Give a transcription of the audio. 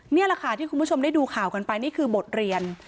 นี่แหละค่ะที่คุณผู้ชมได้ดูข่าวกันไปนี่คือบทเรียน